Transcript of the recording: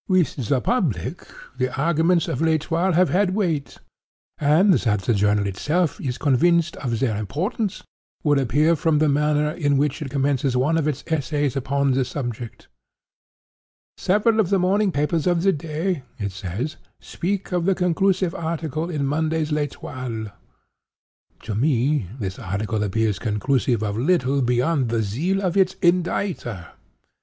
"With the public the arguments of L'Etoile have had weight; and that the journal itself is convinced of their importance would appear from the manner in which it commences one of its essays upon the subject—'Several of the morning papers of the day,' it says, 'speak of the conclusive article in Monday's Etoile.' To me, this article appears conclusive of little beyond the zeal of its inditer.